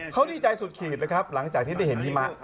เขาดีใจสุดขีดนะครับหลังจากที่ได้เห็นหิมะ